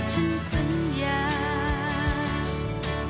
ฉันสัญญา